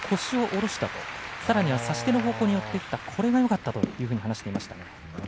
そしてさらには差し手の方向に回っていった、それがよかったという話をしていました。